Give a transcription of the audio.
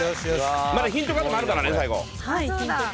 まだヒントカードもあるからね最後。